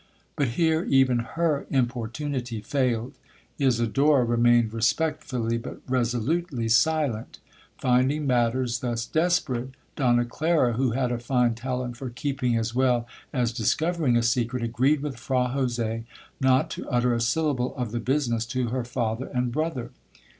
But here even her importunity failed.—Isidora remained respectfully, but resolutely silent; finding matters thus desperate, Donna Clara, who had a fine talent for keeping as well as discovering a secret, agreed with Fra Jose not to utter a syllable of the business to her father and brother.